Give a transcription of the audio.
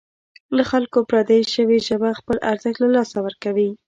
له خلکو پردۍ شوې ژبه خپل ارزښت له لاسه ورکوي.